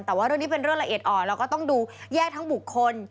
แต่ว่าเรื่องนี้เป็นเรื่องละเอียดอ่อนเราก็ต้องดูแยกทั้งบุคคล